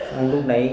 xong lúc đấy